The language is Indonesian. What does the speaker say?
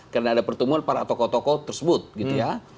karena ada pertemuan para tokoh tokoh tersebut gitu ya